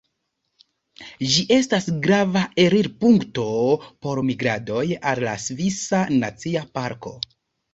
Ĝi estas grava elirpunkto por migradoj al la Svisa Nacia Parko.